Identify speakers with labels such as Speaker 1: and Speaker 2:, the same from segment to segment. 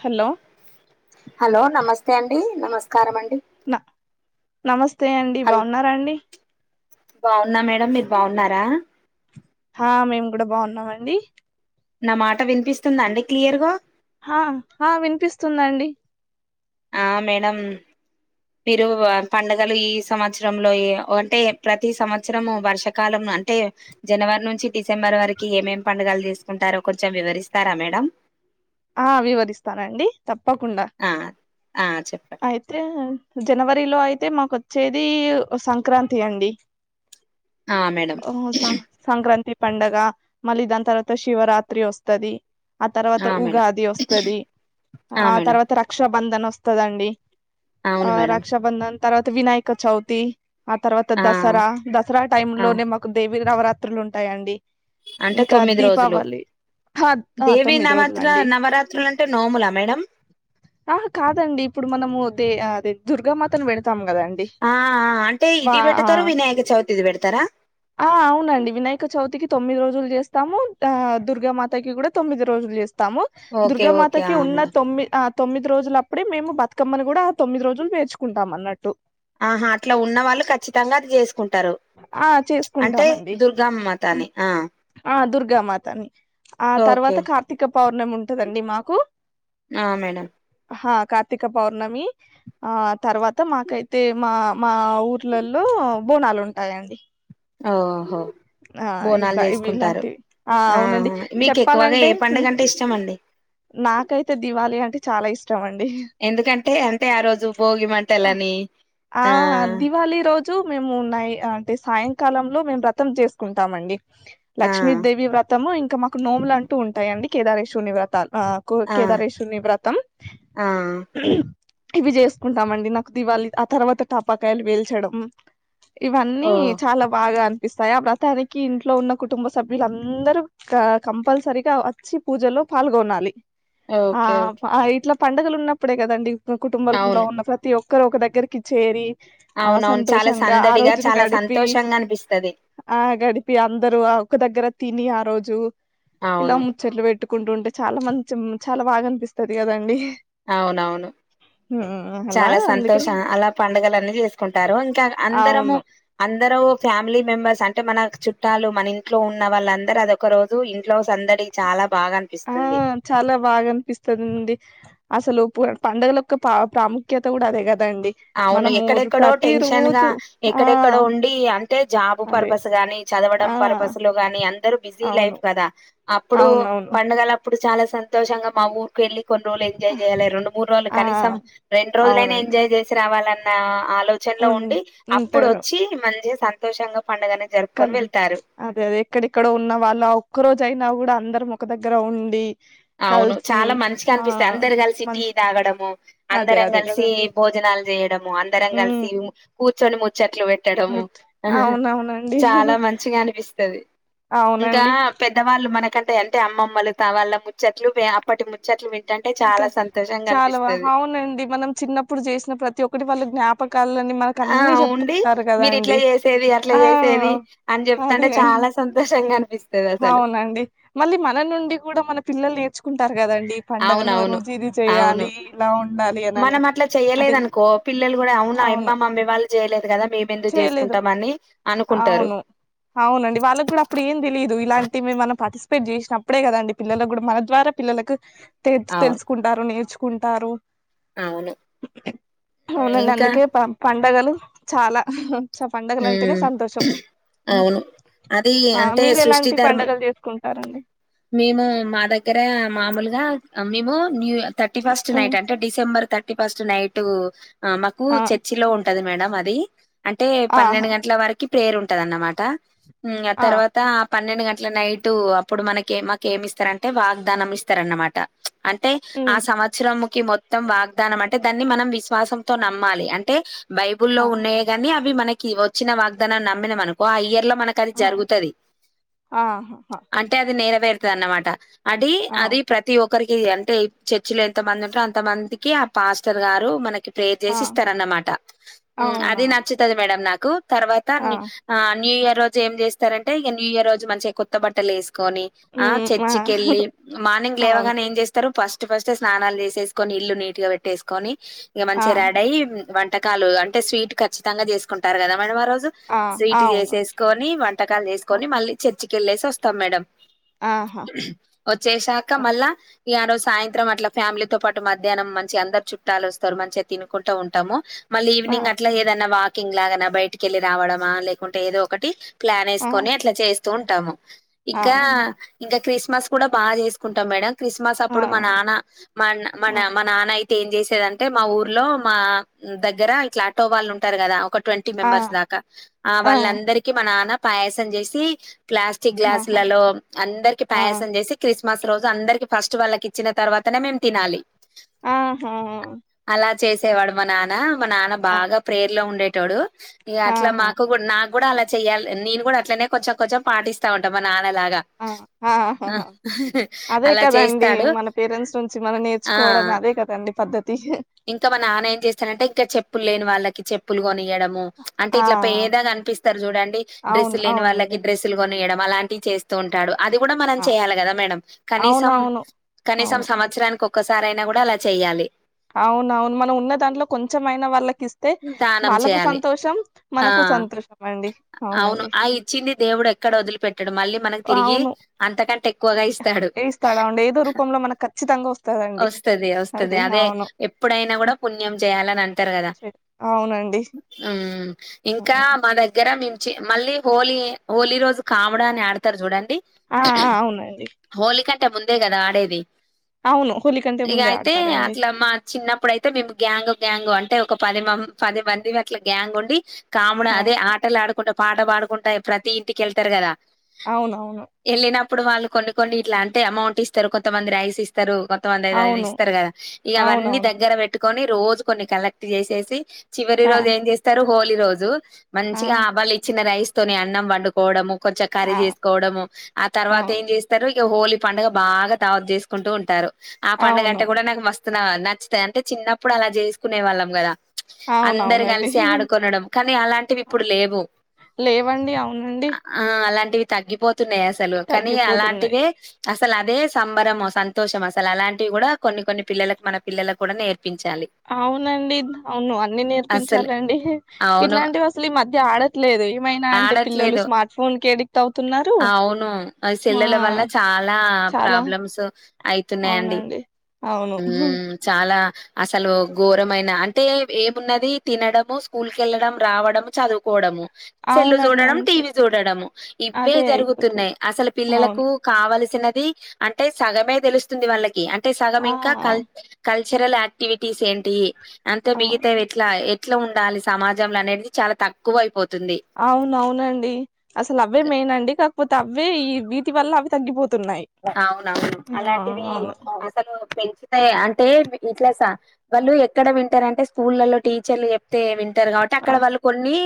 Speaker 1: Hollow
Speaker 2: hello నమస్తే అండి నమస్కారమండి
Speaker 1: న నమస్తే అండి
Speaker 2: హల్
Speaker 1: బాగున్నారా అండి
Speaker 2: బావున్న మేడం మీరు బావున్నారా
Speaker 1: ఆ మేము గూడ బావున్నామండి
Speaker 2: నా మాట వినిపిస్తుందాండి క్లియర్ గా
Speaker 1: ఆహా ఆ వినిపిస్తుందండి
Speaker 2: ఆ మేడం మీరు ఆ పండుగలు ఈ సంవత్సరంలో ఏ అంటే ప్రతి సంవత్సరము వర్షాకాలం అంటే జనవర్ నుంచి డిసెంబర్ వరకి ఏమే పండుగలు జేసుకుంటారో కొంచెం వివరిస్తారా మేడం
Speaker 1: ఆ వివరిస్తానండి తప్పకుండా
Speaker 2: ఆ ఆ చెప్పండి
Speaker 1: అయితే జనవరిలో అయితే మాకొచ్చేది ఓ సంక్రాంతి అండి
Speaker 2: ఆ మేడం
Speaker 1: ఓ సా సంక్రాంతి పండగ మళ్లీ దాని తర్వాత శివరాత్రి వస్తాది ఆ తర్వాత ఉగాది వస్తాది ఆ తర్వాత రక్షాబంధన్ వస్తాదండి
Speaker 2: అవును
Speaker 1: ఆ
Speaker 2: మేడం
Speaker 1: రక్షాబంధన్ తర్వాత వినాయక చవితి ఆ తర్వాత
Speaker 2: ఆ
Speaker 1: దసరా దసరా టైమ్
Speaker 2: ఆ
Speaker 1: లోనే మాకు దేవి నవరాత్రులు ఉంటాయండి
Speaker 2: అంటే
Speaker 1: ఇంకా
Speaker 2: తొమ్మిది రోజులు
Speaker 1: దీపావళి హా
Speaker 2: దేవి
Speaker 1: తొమ్మిది రోజు
Speaker 2: నవత్ర
Speaker 1: రండి
Speaker 2: నవరాత్రులు అంటే నోములా మేడం
Speaker 1: ఆహా కాదండి ఇప్పుడు మనము దే ఆదే దుర్గామాతను పెడ్
Speaker 2: ఆ ఆ అంటే ఇది
Speaker 1: ఆ
Speaker 2: పెడతరు వినాయక చవితిది పెడతరా.
Speaker 1: ఆ అవునండి వినాయక చవితికి. తొమ్మిది రోజులు చేస్తాము. ఆ దుర్గా మాత కి కూడ తొమ్మిది రోజులు చేస్త్ తాము
Speaker 2: ఓకే.
Speaker 1: దుర్గా
Speaker 2: ఓకే. ఆ!
Speaker 1: మాతాకి ఉన్న
Speaker 2: మేడం.
Speaker 1: తొమ్మిద్ ఆ తొమ్మిది రోజులు అప్పుడే మేము బతుకమ్మని గూడా ఆ తొమ్మిది రోజులు పేర్చుకుంటాం అన్నట్టు.
Speaker 2: ఆహా అట్లా ఉన్న వాళ్ళు ఖచ్చితంగా అది చేసుకుంటారు.
Speaker 1: ఆ
Speaker 2: ప్చ్ అంటే
Speaker 1: చేసుకుంటామండి
Speaker 2: దుర్గామ్ మాతాని
Speaker 1: ఉమ్,
Speaker 2: ఆ
Speaker 1: ఆ దుర్గామాతాని ఆ
Speaker 2: ఓకే.
Speaker 1: తర్వాత కార్తీక పౌర్ణమి ఉంటదండి మాకూ.
Speaker 2: ఆ మేడం
Speaker 1: హా కార్తీక పౌర్ణమీ ఆ తర్వాత మాకైతే మా మా ఊర్లల్లో. ఆ బోనాలు ఉంటాయండి.
Speaker 2: అఓహో
Speaker 1: ఆ
Speaker 2: బోనాలు
Speaker 1: ఇట్లా ఇవి
Speaker 2: చేసుకుంటారు
Speaker 1: ఇలాంటివి ఆ అవునండి
Speaker 2: ఆహ మీకు ఎక్కువగా
Speaker 1: చెప్పాలంటే
Speaker 2: ఏ
Speaker 1: నే-
Speaker 2: పండగంటే ఇష్టమండి.
Speaker 1: నాకైతే దివాళీ అంటే చాలా ఇష్
Speaker 2: ఎందుకంటే అంటే ఆ రోజు భోగి మంటలనీ.
Speaker 1: ఆహా దివాళీ రోజు మేము నై అం టే సాయంకాలంలో మేము వ్రతం చేసుకుంటాం మండి
Speaker 2: ఆ!
Speaker 1: లక్ష్మీదేవి వ్రతమూ ఇంక్ కా మాకు నోములంటూ ఉంటాయండి కేదారేశ్వరుని వ్రతాల్. ఆ కో
Speaker 2: ఆ!
Speaker 1: కేదారేశ్వరుణి వ్రతం
Speaker 2: ఆ!
Speaker 1: ఇవి చేసుకుంటామండి నాకు దివాళి ఆ తర్వాత టాపాకాయలు వేల్చడం. ఇవన్నీ
Speaker 2: ఓహ్!
Speaker 1: చాలా బాగా అన్ పిస్తాయా ఆ వ్రతానికి ఇంట్లో ఉన్న కుటుంబ సభ్యులుందరూ కా కంపల్సరిగా వచ్చి పూజలో ఫాల్గొనాల్ లి ఆ
Speaker 2: ఓకే. ఓకే.
Speaker 1: అ ఇట్లా పండుగలు ఉన్నప్పుడే కదండి కుటుంబంలో
Speaker 2: అవును.
Speaker 1: ఉన్న ప్రతి ఒక్ క్కరు ఒక దగ్గరికి చేరీ ఆ
Speaker 2: అవునవును. చాలా
Speaker 1: సంతోషంగా ఆ
Speaker 2: సందడిగా,
Speaker 1: రోజును
Speaker 2: చాలా
Speaker 1: గడిపీ.
Speaker 2: సంతోషంగా అనిపిస్తది.
Speaker 1: ఆ గడిపి అందరు ఆ ఒక్క దగ్గర తినీ ఆ రోజూ ఇలా
Speaker 2: అవును.
Speaker 1: ముచ్చట్లు పెట్టుకుంటు ఉంటే చాలా మంచి మ్ చాలా బాగా అనిపిస్తది గదండి.
Speaker 2: అవునవును
Speaker 1: అలా
Speaker 2: చాలా
Speaker 1: అందుకని
Speaker 2: సంతోషం అలా పండుగల అన్నీ చేసుకుంటారూ ఇంకా అందరమూ
Speaker 1: అవును
Speaker 2: అం అందరూ ఫ్యామిలీ మెంబర్స్ అంటే మన చుట్టాలు మన ఇంట్లో ఉన్న వాళ్ళందర అదోక రోజు ఇంట్లో సందడి. ఇ చాలా బాగా
Speaker 1: ఆ
Speaker 2: అనిపిస్తుంది
Speaker 1: చాలా బాగ అనిపిస్తదండి. అసలు పు పండగల ఒక్కా పా ప్రాముఖ్యత గూడా అదే గద్.
Speaker 2: అవును ఎక్కడెక్కడో టెన్షన్ గా
Speaker 1: రోజు ఆ
Speaker 2: ఎక్కడెక్కడో ఉండీ అంటే జాబు
Speaker 1: అదే
Speaker 2: పర్పస్ గా నీ
Speaker 1: ఆ
Speaker 2: చదవడం పర్పస్ లో గానీ అందరు బిజీ
Speaker 1: అవును
Speaker 2: లైఫ్ కదా అప్పుడూ
Speaker 1: అవునవును
Speaker 2: పండగల అప్పుడు చాలా సంతోషంగా మా ఊర్ కెళ్ళి కొన్ని రోజులు ఎంజాయ్ జేయాలే రెండు ముడ్రోజులు
Speaker 1: ఆ
Speaker 2: కనీసం రెండ్రోజులైనా
Speaker 1: అవునండి
Speaker 2: ఎంజాయ్ చేస్ ఇవ్వాలన్నా ఆలోచనలో
Speaker 1: ఉ
Speaker 2: ఉండి అప్పుడు
Speaker 1: ఉంటారు
Speaker 2: వచ్చీ మంచిగ సంతోషంగ
Speaker 1: కల్వహర్ ప్చ్ అదే అదే ఎక్కడెక్కడో ఉన్న వాళ్ళు ఆ ఒక్కరోజు అయి నా గూడా అందరం ఒక దగ్గర ఉండీ.
Speaker 2: అవును చాలా మంచిగనిపిస్తాయ్ అందరు కల్సి టీ
Speaker 1: మంచి
Speaker 2: తాగడము.
Speaker 1: అదే
Speaker 2: అందరం
Speaker 1: అదే
Speaker 2: కల్సీ
Speaker 1: కదండి
Speaker 2: భోజనాలు చేయడము అందరం
Speaker 1: ఉ
Speaker 2: కల్సీ మ్ కూర్చొని ముచ్చట్లు పెట్టడము.
Speaker 1: అవునవును
Speaker 2: చాలా మంచిగా అనిపిస్తద్. తది ఇంకా
Speaker 1: అవునండి
Speaker 2: పెద్దవాళ్ళు మనకంటే అంటే అమ్మమ్మలు త వాళ్ళ చెట్లు పియా అప్పటి ముచ్చట్లు పెట్
Speaker 1: ఇంకా చాలావ అవునండి మనం చిన్నప్పుడు చేసిన ప్రతి ఒక్కటి వాళ్ళ జ్ఞాప
Speaker 2: ఆ ఉండి
Speaker 1: కదా
Speaker 2: మీరు ఇట్లా
Speaker 1: అండి
Speaker 2: చేసేది అట్లా
Speaker 1: ఆ
Speaker 2: చేసేది అని చెప్తంటే
Speaker 1: అదే
Speaker 2: చాలా సంతోషంగా ఆన్
Speaker 1: అవునండి మళ్ళీ మన నుండి కూడా మన పిల్లలు నేర్చుకుంటారు కదండి పండుగలో
Speaker 2: అవునవును.
Speaker 1: రుజిది
Speaker 2: అవును.
Speaker 1: చేయాలి ఇలా ఉండాలి అనని
Speaker 2: మనం అట్లా
Speaker 1: అది
Speaker 2: చెయ్యలేదనుకో పిల్లలు కూడా అవునా
Speaker 1: అవును
Speaker 2: అబ్బమ్మమ్మ ఇ వాళ్ళు చేయలేదు కదా మేమెందుకు
Speaker 1: చేయలేదు
Speaker 2: చేసుకుంటాం అని అనుకుంటారు.
Speaker 1: అవును అవునండి వాళ్ళకి కూడా అప్పుడు ఏం తెలిదు ఇలాంటివి మనం పార్టిసిపేట్ చేసినప్పుడే కదండి పిల్లలకు కూడా మన ద్వారా పిల్లలకు తె
Speaker 2: అవును
Speaker 1: తెలుసుకుంటారు నేర్చుకుంటారు
Speaker 2: అవును. హ్మ్.
Speaker 1: అవునండి
Speaker 2: ఇంకా
Speaker 1: అందుకే ప పండగలు చాలా చ్చ పండగలు అంటేనే
Speaker 2: హ్మ్
Speaker 1: సంతోషం
Speaker 2: అవును. అది
Speaker 1: ఆ
Speaker 2: అంటే
Speaker 1: మీరు
Speaker 2: సృష్టి
Speaker 1: ఎలాంటి
Speaker 2: ధర్మ
Speaker 1: పడుగలు చేసుకుంటారండి
Speaker 2: మేము మా దగ్గర మామూలుగా మేము new thirty first
Speaker 1: um,
Speaker 2: night అంటే డిసెంబర్ థర్టీ ఫస్ట్ నైట్ ఆ మాకు
Speaker 1: ఆ
Speaker 2: చర్చిలో ఉంటది మేడం అది అంటే పన్నెండు
Speaker 1: ఆహా
Speaker 2: గంటల వరకు ప్రేయర్ ఉంటందన్నమాట మ్ ఆ తర్వాత పన్నెండు గంటల నైట్ అప్పుడు మనకి మాకు ఏమి ఇస్తారంటే వాగ్దానం ఇస్తారన్నమాట అంటే ఆ
Speaker 1: ఉమ్
Speaker 2: సంవత్సరం మొత్తం వాగ్దానం అంటే దాన్ని మనం విశ్వాసంతో నమ్మాలి అంటే బైబుల్ లో
Speaker 1: ఆ
Speaker 2: ఉన్నాయే కాగాని మనకి వచ్చిన వాగ్దానాన్ని నమ్మిన మనకొ ఆ ఇయర్ లో మనకు అది
Speaker 1: ఆ
Speaker 2: జరుగుతాది
Speaker 1: ఆహాహా
Speaker 2: అంటే అది నేర వెర్థదాన్నామా అడి
Speaker 1: అవు
Speaker 2: అది ప్రతి ఒక్క ఒక్కరికి అంటే చర్చిలో ఎంత మంది ఉంట్రో అంత మందికి ఆ పాస్టర్ గారు మనకి ప్రేయర్
Speaker 1: ఆ
Speaker 2: చేసి ఇస్తారన్నమాట మ్
Speaker 1: అవునా
Speaker 2: అది నచ్చుతది మేడం నాకు తర్వాత ఆ న్యూ ఇయర్ రోజు ఏం చేస్తారంటే ఇక న్యూ ఇయర్ రోజు మంచిగా కొత్త బట్టలు వేస్ కని ఆ చర్చికెళ్ళి మార్నింగ్
Speaker 1: అవును
Speaker 2: లేవగానే ఏం చేస్తారు ఫస్ట్ ట్ ఫస్ట్ స్నానాలు చేసెస్కొని ఇల్లు నీట్ గా పెట్టేస్కొని
Speaker 1: ఆ
Speaker 2: మంచిగా రెడీయ్ వంటకాలు అంటే స్వీట్ ఖచ్చితంగా చేసుకుంటారు కదా మే ఆ రోజు
Speaker 1: ఆ
Speaker 2: స్వీట్
Speaker 1: అవును
Speaker 2: చేసేసుకొని వంటకాలు చేసుకొని మళ్ళీ చర్చికి ఏలేసి వస్తాం మేడం
Speaker 1: ఆహా
Speaker 2: వచ్చేసాక మళ్ళా ఇగ ఆరోజు సాయంత్రం అట్లా ఫ్యామిలీతో పాటు మధ్యాహ్నం మంచి అందరు చుట్టాలు వస్తారు మంచిగా తినుకుంట ఉంటాము మళ్ళీ
Speaker 1: ఆ
Speaker 2: ఈవినింగ్ అట్లా ఏదన్నా వాకింగ్ లాగన్నా బయటికి వెళ్ళి రావడమా లేకుంటే ఏదో ఒకటి ప్లాన్
Speaker 1: ఆ
Speaker 2: వేసుకొని అట్లా చేస్తూ ఉంటాము ఇంకా
Speaker 1: అవునా
Speaker 2: ఇంకా క్రిస్ క్రిస్మస్ కూడా బాగా చేసుకుంటాం మేడం క్రిస్మస్
Speaker 1: ఆ
Speaker 2: అప్పుడు మన నాన్న మన నాన్న అయితే ఏం చేసేదంటే మా ఊర్లో మా దగ్గర ఇట్లా ఆటో వాళ్ళు ఉంటారు కదా ఒక ఫిఫ్టీ
Speaker 1: ఆ ఆ
Speaker 2: మెంబర్స్ దాకా ఆ వాళ్ళందరికీ మ నాన్న పాయాసం చేసి ప్లాస్టిక్
Speaker 1: ఆహా
Speaker 2: గ్లాసులలో అందరికి
Speaker 1: ఆ
Speaker 2: పాయాసం చేసి క్రిస్ క్రిస్మస్ రోజు అందరికీ ఫస్ట్ వాళ్ళకి ఇచ్చిన తర్వాతనే మే తినాలి
Speaker 1: ఆ హా
Speaker 2: అలా చేసేవాడు మా నాన్న మా నాన్న బాగా ప్రయర్లో ఉండేటోడు అట్లా
Speaker 1: ఆహా
Speaker 2: మాకు కూడా నాకు కూడా అలా చెయ్యాలి నేను కూడా అట్లనే కొంచెం కొంచెం పాటిస్తా ఉంటా మా నాన్నలాగా ఆ
Speaker 1: ఆహ అదే
Speaker 2: అలా
Speaker 1: కదండి
Speaker 2: చేస్తాడు
Speaker 1: మన పేరెంట్స్ నుంచి మనం
Speaker 2: ఆ
Speaker 1: నేర్చుకోవడమే అదే కదండి పద్ధతి
Speaker 2: ఇంకా మనాన్న ఏం చేస్తాడంటే ఇంకా చెప్పులు లేని వాళ్ళకి చెప్పులు కొనియడం ము అంటే ఇట్లా
Speaker 1: ఆ
Speaker 2: పేదగా అనిపిస్తారు చూడండి డ్రెస్
Speaker 1: అవును
Speaker 2: లేని
Speaker 1: అవునండి
Speaker 2: వారికి డ్రెస్సులు కొ నియడం అలాంటి చేస్తూ ఉంటాడు అది కూడా మనం
Speaker 1: ఆ
Speaker 2: చెయాలి కదా మేడం కనీసం
Speaker 1: అవునవును
Speaker 2: కనీసం
Speaker 1: అవును
Speaker 2: సంవత్సరానికి ఒకసారి అయినా కూడా అలా చెయ్యాలి
Speaker 1: అవునవును మనం ఉన్న దాంట్లో కొంచెంమైనా వాళ్ళకి ఇస్తే
Speaker 2: దానం
Speaker 1: వాళ్ళకు
Speaker 2: చేయాలి
Speaker 1: సంతోషం
Speaker 2: ఆ
Speaker 1: మనకు సం
Speaker 2: అవును ఆ ఇచ్చింది దేవుడు ఎక్కడ వదిలి పెట్టాడు మళ్ళీ మనకి తిరిగి
Speaker 1: అవును
Speaker 2: అంతకంటే ఎక్కువగా ఇస్తాడు
Speaker 1: ఇస్తాడా అండి ఏదో రూపంలో మనకు ఖచ్చితంగా వస్తదండి
Speaker 2: వస్తది వస్తది
Speaker 1: అది
Speaker 2: అదే
Speaker 1: అవును
Speaker 2: ఎప్పుడైనా కూడా పుణ్యం చేయాలని అంటారు కదా
Speaker 1: చె అవునండి
Speaker 2: ఉమ్మ్
Speaker 1: ఆ
Speaker 2: ఇంకా మా దగ్గర గమించి మళ్ళీ హోలీ హోలీ రోజు కాబడి అని ఆడతారు చూడం
Speaker 1: ఆఆ అవునండి
Speaker 2: ట ముందే కదా ఆడేది
Speaker 1: అవును హోలీ కంటే
Speaker 2: ఇగ
Speaker 1: ముందే
Speaker 2: అయితే
Speaker 1: ఆడతారండి
Speaker 2: అట్ల మా చిన్నప్పుడుయితే మేము గ్యాంగ్ గ్యాంగ్ అంటే ఒక పది మం పది మందిమి అట్ల గ్యాంగ్ ఉండి కాముడా
Speaker 1: ఆ
Speaker 2: అదే ఆటలు ఆడుకుంటా పాట పాడుకుంటా ప్రతి ఇంటికేళ్తారు కదా
Speaker 1: అవునవును
Speaker 2: ఇప్పుడు వాళ్ళు కొన్ని కొన్ని ఇట్లా అంటే అమౌంట్ ఇస్తారు కొంతమంది రైస్ ఇస్తారు తో వంద ఐదైది
Speaker 1: అవును
Speaker 2: ఇస్తారు కదా ఇగ అవన్నీ
Speaker 1: అవునవును
Speaker 2: దగ్గర పెట్టుకొని రోజు కొన్ని కలెక్ట్ చేసేసి చివరి
Speaker 1: ఆ
Speaker 2: రోజు ఏం చేస్తారు హోలీ రోజు మంచిగా ఆ వాళ్ళు ఇచ్చిన రైస్‌తోని అన్నం వండుకోవడము కొచ్చ కారీ
Speaker 1: ఆ
Speaker 2: చేసుకోవడము ఆ తర్వాత
Speaker 1: అవును
Speaker 2: ఏం చేస్తారు ఇగ హోలీ పండగ బాగా ధవత్ చేసుకుంటూ ఉంటారు ఆ పండగ
Speaker 1: అవును
Speaker 2: అంటే కూడా నాకు మస్త్ నా నచ్చు తాయ్ అంటే చిన్నప్పుడు అలా చేసుకునే వాళ్ళం కదా అందరు
Speaker 1: అవునవునండి
Speaker 2: కలిసి ఆడుకోనడం కానీ అలాం టివి ఇప్పుడు లేవు
Speaker 1: లేవండి అవునండి
Speaker 2: ఆ అలాంటివి తగ్గిపోతున్నాయి అసలు కానీ
Speaker 1: తగ్గిపోతున్నాయి
Speaker 2: అలాంటివే అసలు అదే సంబరము సంతోషం అసలు అలాంటివి కూడా కొన్ని కొన్ని పిల్లలకు మన పిల్లలకు కూడా నేర్చి
Speaker 1: అవునండి అవును అన్ని
Speaker 2: అస్సలు
Speaker 1: నేర్పించాలండి
Speaker 2: అవును
Speaker 1: ఇట్లాంటివి అసలు ఈ మ ధ్య ఆడట్లేదు ఏమైనా అంటే పిల్లలు
Speaker 2: ఆడట్లేదు
Speaker 1: స్మార్ట్ ఫోన్‌కి అడి
Speaker 2: అవును ఆ సెల్యుల వల్ల చాలా
Speaker 1: చాలా
Speaker 2: ప్రాబ్లమ్స్ అయితున్నాయండి
Speaker 1: అవునండి అవును
Speaker 2: ఉమ్మ్ చాలా అసలు ఘోరమైన అంటే ఏమున్నది తినడము స్కూల్ కేళ్ళడం రావడము చదువుకోవడము సెల్లు
Speaker 1: అవునండి
Speaker 2: చూడడం
Speaker 1: అంతే
Speaker 2: టీవీ చూడడము ఇవే
Speaker 1: అదే
Speaker 2: జరుగుతున్నాయి
Speaker 1: అయిపోతుంది
Speaker 2: అసలు
Speaker 1: అవును
Speaker 2: పిల్లలకు కావాల్సి చిన్నది అంటే సగమే తెలుస్తుంది వాళ్ళకి అంటే సగం
Speaker 1: ఆ
Speaker 2: ఇంక కాల్ కాల్ ల్చరల్ యాక్టివిటీస్ ఏంటి అంతే
Speaker 1: అవు
Speaker 2: మిగతావి ఎట్లా ఎట్ల ఉండాలి సమాజంలో అనేది చాలా తక్కువ అయిపోతు
Speaker 1: అవునవునండి అసలు అవే మెయిన్ అండి కాకపోతే అవే ఈ వీటివల్ల అవి తగ్గిపో
Speaker 2: అవునవును అలాంటివి
Speaker 1: అవును
Speaker 2: అసలు పెంచితే అంటే ఇట్లాస వాళ్ళు ఎక్కడ వింటారంటే స్కూళ్ళలో టీచర్లు చెప్తే విం టరు కాబట్టి
Speaker 1: ఆ
Speaker 2: అక్కడ వాళ్ళు కొన్ని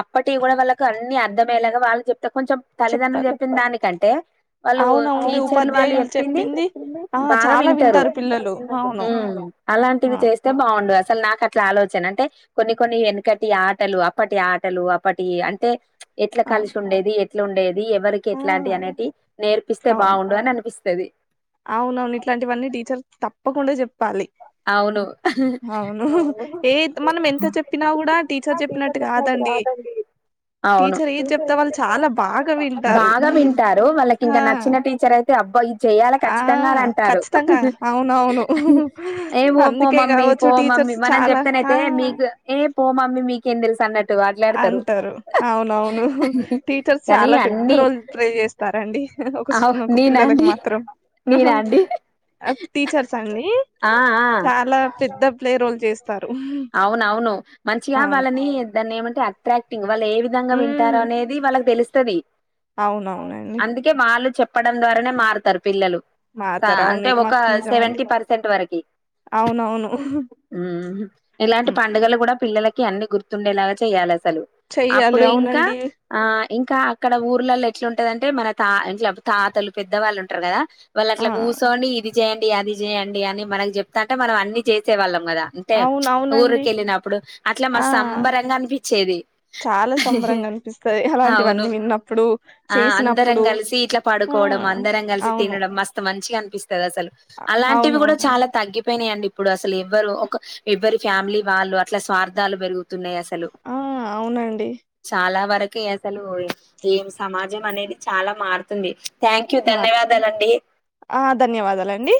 Speaker 2: అప్పటి కూడా వాళ్ళకు అన్ని అర్థమయ్యేలాగ వాళ్ళు చె ప్తే కొంచెం తల్లిదండ్రులు
Speaker 1: చెప్పాలి
Speaker 2: చెప్పింది దానికంటే వాళ్ళు
Speaker 1: అవునవుండి
Speaker 2: టీచర్లు వాళ్ళు
Speaker 1: ఉపాధ్యాయులు
Speaker 2: చెప్పింది
Speaker 1: ఆ
Speaker 2: బాగా
Speaker 1: చాలా
Speaker 2: వింటారు
Speaker 1: పిల్లలు అవును
Speaker 2: ఉమ్మ్
Speaker 1: ఆ
Speaker 2: అలాంటివి చేస్తే బాగుండు అసల్ నాకు అట్లా ఆలోచన అంటే కొన్ని కొన్ని ఎనకటి ఆటలు అప్పటి ఆటలు అప్పటి అంటే ఎట్లా
Speaker 1: అవును
Speaker 2: కలిసి ఉండేది ఎట్లా ఉండేది ఎవరికి
Speaker 1: ఆ
Speaker 2: ఎట్లాంటి అనేటి నేర్పిస్తే
Speaker 1: అవును
Speaker 2: బాగుండు అని అనిపి
Speaker 1: అవునవును ఇట్లాంటివన్నీ టీచర్ తప్పకుండా చెప్పాలి
Speaker 2: అవును
Speaker 1: అవును ఏత్ మనం ఎంత చెప్పినా కూడా టీచర్ చెప్పినట్టు కాదండి
Speaker 2: అదండి అవును
Speaker 1: టీచర్ ఏది చెప్తే వాళ్ళు చాలా బాగా వింటారు
Speaker 2: బాగా వింటారు వాళ్ళకి
Speaker 1: ఆ
Speaker 2: ఇంకా నచ్చిన టీచర్ అయితే అబ్బా ఇది చెయాలి
Speaker 1: ఆ
Speaker 2: ఖచ్చితంగా అని అంటారు
Speaker 1: ఖచ్చితంగా అవునవును
Speaker 2: ఏ పో పో
Speaker 1: అందుకే
Speaker 2: మమ్మీ
Speaker 1: కావచ్చు
Speaker 2: పో మమ్మీ
Speaker 1: టీచర్స్
Speaker 2: మనం
Speaker 1: చాలా ఆ
Speaker 2: చెప్తానైతే మీకు ఏ పో మమ్మీ మీకేం తెలుసు అన్నట్టు మాట్లాడతారు
Speaker 1: అంటారు అవునవును టీచర్స్
Speaker 2: కానీ
Speaker 1: చాలా పెద్ద
Speaker 2: అన్ని
Speaker 1: రోల్ ప్లే చేస్తారండి ఒక ఒక పిల్లలలకు మాత్రం
Speaker 2: మీరా అండి
Speaker 1: టీచర్స్ అండి
Speaker 2: ఆ ఆ
Speaker 1: చాలా పెద్ద ప్లే రోల్ చేస్తరు
Speaker 2: అవునవును మంచిగా
Speaker 1: అవును
Speaker 2: వాళ్ళని దాన్ని ఏమంటే అట్రాక్టింగ్ వాళ్ళు ఏ విధంగా వింటారు
Speaker 1: ఉమ్.
Speaker 2: అనేది వాళ్ళకి తెలుస్తది
Speaker 1: అవునవునండి
Speaker 2: అందుకే వాళ్ళు చెప్పడం ద్వారానే మారుతారు పిల్లలు
Speaker 1: మాతర అవును
Speaker 2: అంటే
Speaker 1: ఇది
Speaker 2: ఒక
Speaker 1: మాత్రం నిజమండి
Speaker 2: సెవెంటీ పర్సెంట్ వరకి
Speaker 1: అవునవును
Speaker 2: ఉమ్ ఇలాంటి
Speaker 1: హ్మ్.
Speaker 2: పండుగలు కూడా పిల్లలకి అన్ని గుర్తుండేలాగా చేయాలి అసలు
Speaker 1: చెయ్యాలి
Speaker 2: అప్పుడు ఇంకా
Speaker 1: అవునండి
Speaker 2: ఆ ఇంకా అక్కడ ఊర్లలో ఎట్లాంటదంటే మన తా ఇట్ల తాతలు పెద్దవాళ్ళు ఉంటారు కదా వాళ్ళు
Speaker 1: ఆ
Speaker 2: అట్లా కూసోని ఇది చేయండి అది చేయండి అని మనకి చెప్తా అంటే మనం అన్ని చేసేవాళ్ళం మర అంతే
Speaker 1: అవునవునండి
Speaker 2: ఊరికి వెళ్ళినప్పుడు అట్లా
Speaker 1: ఆ
Speaker 2: మస్తు సంబరంగా అనిపించేది
Speaker 1: చాలా సంబరంగా అనిపిస్తది
Speaker 2: అవును
Speaker 1: అలాంటివన్నీ విన్నప్పుడు
Speaker 2: ఆ అందరం
Speaker 1: చేసినప్పుడు
Speaker 2: కలిసి ఇట్లా
Speaker 1: ఆ
Speaker 2: పడుకోవడం అందరం కలిసి
Speaker 1: అవును
Speaker 2: తినడం మస్తు మంచిగా అనిపించేది అసలు అలాంటివి కూడా చాలా
Speaker 1: అవునవునండి
Speaker 2: తగ్గిపోయినయండి ఇప్పుడు అసలు ఎవ్వరు ఒక ఎవరి ఫ్యామిలీ వాళ్ళు అట్లా స్వార్థాలు పెరుగుతున్నాయి అసలు
Speaker 1: ఆ అవునండి
Speaker 2: చాలా వరకీ అసలు ఏం సమాజం అనేది చాలా మారుతుంది థ్యాంక్ యూ
Speaker 1: మారుతుంది
Speaker 2: ధన్యవాదాలు అండి
Speaker 1: ఆ ధన్యవాదాలండి